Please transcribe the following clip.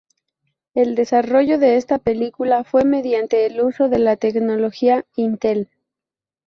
El desarrollo de esta película fue mediante el uso de la tecnología Intel.